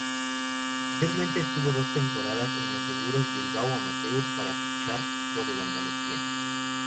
Posteriormente estuvo dos temporadas en el Seguros Bilbao amateur, para fichar por el Andalucía.